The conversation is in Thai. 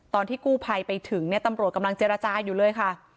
ตอนที่กู้ภัยไปถึงเนี่ยตำรวจกำลังเจรจาอยู่เลยค่ะ